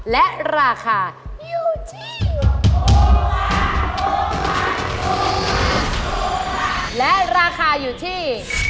และราคาอยู่ที่